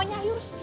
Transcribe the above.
mau nyayur sup